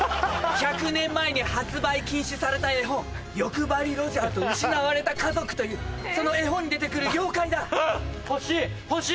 １００年前に発売禁止された絵本「欲張りロジャーと失われた家族」というその絵本に出て来る妖怪だ。